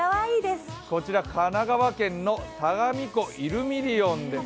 こちら神奈川県のさがみ湖イルミリオンです。